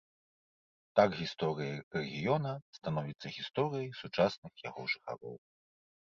Так гісторыя рэгіёна становіцца гісторыяй сучасных яго жыхароў.